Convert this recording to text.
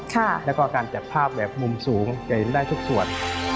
แล้วก็การจับภาพแบบมุมสูงจะเห็นได้ทุกส่วน